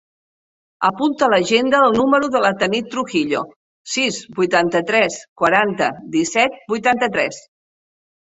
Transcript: Apunta a l'agenda el número de la Tanit Trujillo: sis, vuitanta-tres, quaranta, disset, vuitanta-tres.